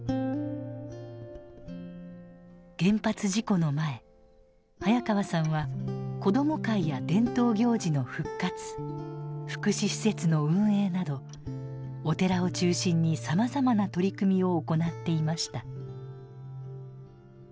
原発事故の前早川さんは子ども会や伝統行事の復活福祉施設の運営などお寺を中心にさまざまな取り組みを行っていました。